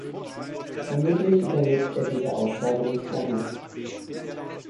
Vermutlich überlebte er diese Aussage nicht lange.